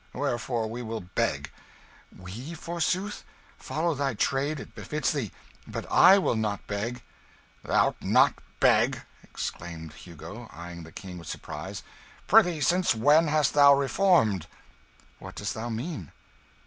Wherefore we will beg." "We, forsooth! Follow thy trade it befits thee. But I will not beg." "Thou'lt not beg!" exclaimed Hugo, eyeing the King with surprise. "Prithee, since when hast thou reformed?" "What dost thou mean?"